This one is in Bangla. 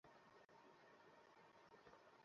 আমি একটু কথা বলে আসছি।